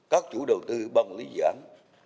các chủ đầu tư bằng lý dự án